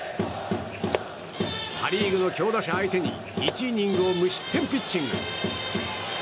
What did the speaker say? パ・リーグの強打者相手に１イニングを無失点ピッチング。